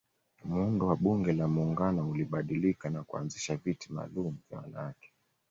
Muundo wa bunge la muungano ulibadilika na kuanzisha viti malumu vya wanawake